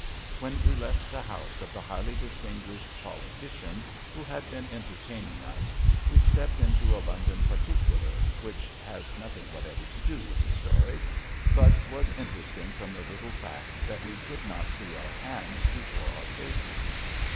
When we left the house of the highly distinguished politician who had been entertaining us, we stepped into a London Particular, which has nothing whatever to do with the story, but was THE ADORATION OF THE MAGE 227 interesting from the little fact that we could not see our hands before our faces.